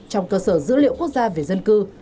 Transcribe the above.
trong cơ sở dữ liệu quốc gia về dân cư